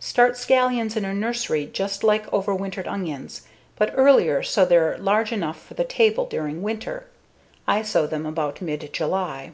Start scallions in a nursery just like overwintered onions, but earlier so they're large enough for the table during winter, I sow them about mid July.